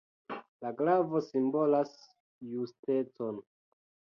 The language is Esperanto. La glavo simbolas justecon.